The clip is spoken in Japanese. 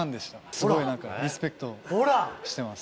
すごいなんか、リスペクトしてます。